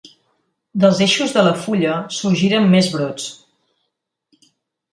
Dels eixos de la fulla sorgeixen més brots.